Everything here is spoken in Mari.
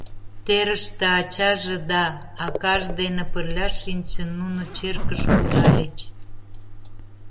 Терыште ачаже да акаж дене пырля шинчын, нуно черкыш кудальыч.